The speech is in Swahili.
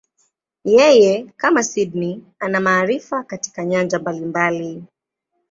Yeye, kama Sydney, ana maarifa katika nyanja mbalimbali.